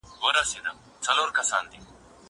زه هره ورځ مېوې راټولوم!!